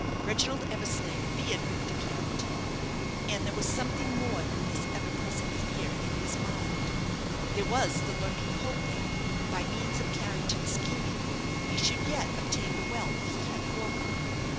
Reginald Eversleigh feared Victor Carrington. And there was something more than this ever present fear in his mind; there was the lurking hope that, by means of Carrington's scheming, he should yet obtain the wealth he had forfeited.